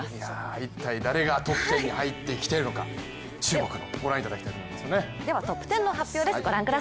一体誰がトップ１０に入ってきているのか注目ご覧いただきたいと思います。